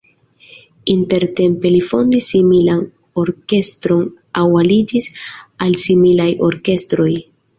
Intertempe li fondis similan orkestron aŭ aliĝis al similaj orkestroj.